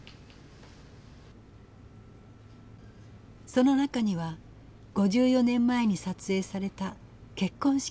その中には５４年前に撮影された結婚式の写真。